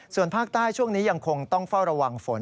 ส่วนภาคใต้ช่วงนี้ยังคงต้องเฝ้าระวังฝน